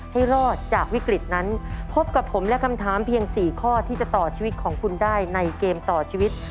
ให้รอดจากวิกฤตนั้นพบกับผมและคำถามเพียง๔ข้อที่จะต่อชีวิตของคุณได้ในเกมต่อชีวิต